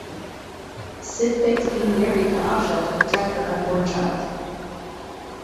Sid fakes being married to Asha to protect her unborn child.